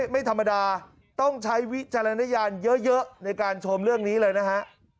ไม่ธรรมดาต้องใช้วิจารณญาณเยอะในการชมเรื่องนี้เลยนะฮะ